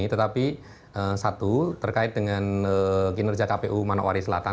tetapi satu terkait dengan kinerja kpu manokwari selatan